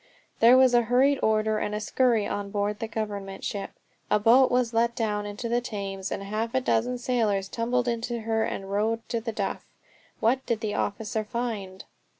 There was a hurried order and a scurry on board the Government ship. A boat was let down into the Thames, and half a dozen sailors tumbled into her and rowed to The Duff. What did the officer find?